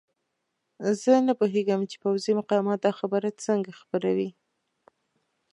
زه نه پوهېږم چې پوځي مقامات دا خبره څنګه خپروي.